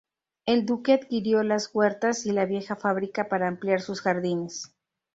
El duque adquirió las huertas y la vieja fábrica para ampliar sus jardines.